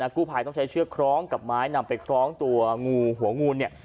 กู้ภัยต้องใช้เชือกคล้องกับไม้นำไปคล้องตัวงูหัวงูเนี่ย